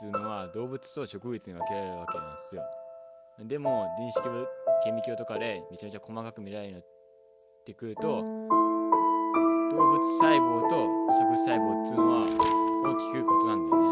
でも電子顕微鏡とかでめちゃくちゃ細かく見られてくると動物細胞と植物細胞っつうのは大きく異なるんだよね。